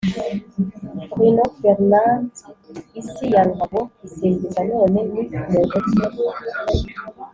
Bruno fernandes isi ya ruhago isingiza none ni muntu ki?